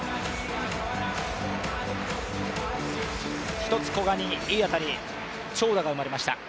１つ古賀にいい当たり、長打が出ました。